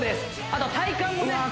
あと体幹もねうわ